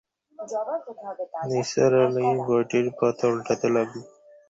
নিসার আলি বইটির পাতা ওন্টাতে লাগলেন।